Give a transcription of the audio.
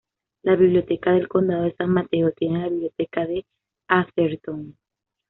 La Biblioteca del Condado de San Mateo tiene la Biblioteca de Atherton.